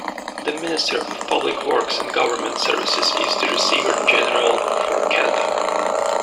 The Minister of Public Works and Government Services is the Receiver General for Canada.